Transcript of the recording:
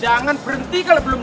jangan berhenti kalo belum seratus